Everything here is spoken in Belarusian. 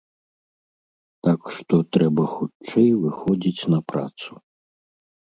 Так што трэба хутчэй выходзіць на працу.